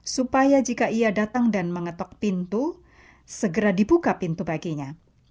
supaya jika ia datang dan mengetok pintu segera dibuka pintu baginya